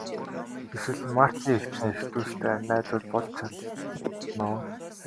Эсвэл Марчийн эгч дүүстэй найзууд болж байсан уу?